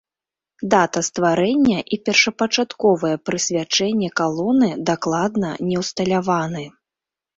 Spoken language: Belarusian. Дата стварэння і першапачатковае прысвячэнне калоны дакладна не ўсталяваны.